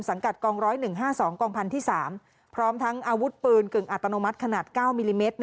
กัดกอง๑๐๑๕๒กองพันธุ์ที่๓พร้อมทั้งอาวุธปืนกึ่งอัตโนมัติขนาด๙มิลลิเมตร